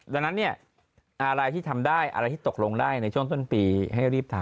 ดังนั้นเนี่ยอะไรที่ทำได้อะไรที่ตกลงได้ในช่วงต้นปีให้รีบทำ